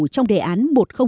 trong đề án một nghìn hai